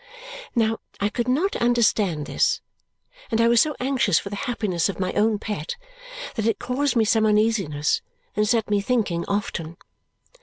Now, I could not understand this, and I was so anxious for the happiness of my own pet that it caused me some uneasiness and set me thinking often.